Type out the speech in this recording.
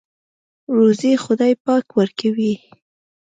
روزۍ خدای پاک ورکوي.